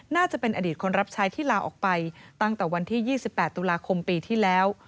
น่าจะเป็นอดีตคนรับใช้ที่ลาออกไปตั้งแต่วันที่๒๘ตุลาคมปีที่แล้ว